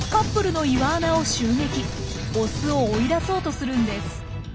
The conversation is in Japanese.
オスを追い出そうとするんです。